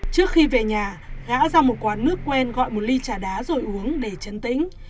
trước khi về nhà gã ra một quán nước quen gọi một ly trà đá rồi uống để chấn tĩnh